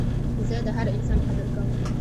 زه د هر انسان قدر کوم.